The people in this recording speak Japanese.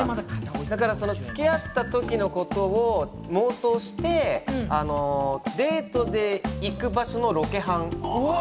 付き合ったときのことを妄想して、デートで行く場所のロケハン。